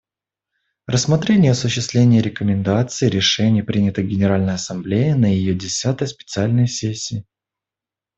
Рассмотрение осуществления рекомендаций и решений, принятых Генеральной Ассамблеей на ее десятой специальной сессии.